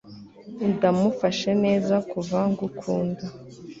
Ndamufashe neza kuva ngukunda